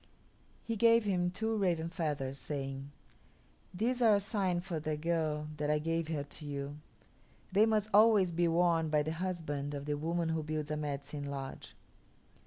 He gave him two raven feathers, saying: "These are a sign for the girl that I give her to you. They must always be worn by the husband of the woman who builds a Medicine Lodge."